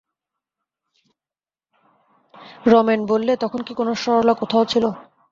রমেন বললে, তখন কি কোনো সরলা কোথাও ছিল।